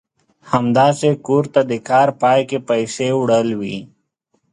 همداسې کور ته د کار پای کې پيسې وړل وي.